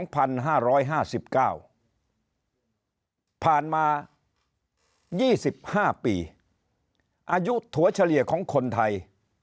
ผ่านมา๒๕ปีอายุถั่วเฉลี่ยของคนไทย